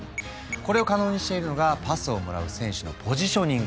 これを可能にしているのがパスをもらう選手のポジショニング！